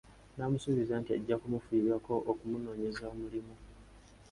N’amusuubiza nti ajja kumufubirako okumunoonyeza omulimu.